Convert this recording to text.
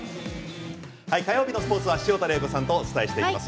火曜日のスポーツは潮田玲子さんとお伝えしています。